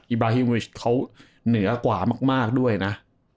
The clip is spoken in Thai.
บราฮิวิชเขาเหนือกว่ามากด้วยนะ